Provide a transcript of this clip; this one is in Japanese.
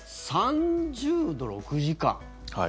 ３０度、６時間。